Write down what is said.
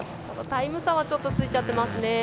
ただ、タイム差はちょっとついちゃってますね。